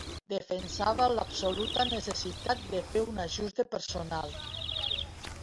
Defensava l’absoluta necessitat de fer un ajust de personal.